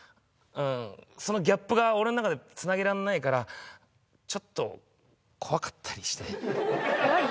うんそのギャップが俺の中でつなげらんないからちょっと怖かったりして怖い？